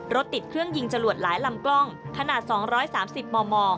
ติดเครื่องยิงจรวดหลายลำกล้องขนาด๒๓๐มม